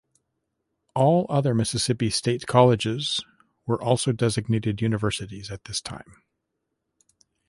All other Mississippi state colleges were also designated universities at this time.